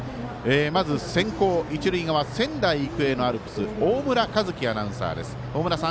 まず、先攻、一塁側仙台育英のアルプス大村和輝アナウンサーです。